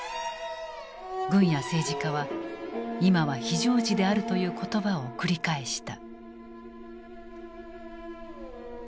軍や政治家は「今は非常時である」という言葉を繰り返した。